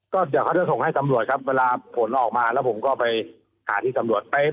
ก็เดี๋ยวเขาจะส่งให้ตำรวจครับเวลาผลออกมาแล้วผมก็ไปหาที่ตำรวจ